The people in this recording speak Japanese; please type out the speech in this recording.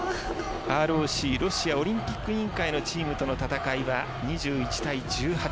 ＲＯＣ＝ロシアオリンピック委員会との戦いは２１対１８。